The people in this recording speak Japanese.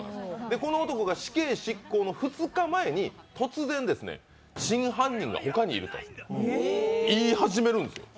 この男が死刑執行の２日前に突然、真犯人が他にいると言い始めるんです。